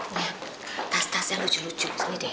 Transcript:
nih tas tas yang lucu lucu sini deh